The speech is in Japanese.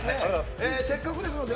せっかくですので。